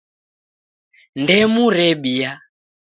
Ndemu rebia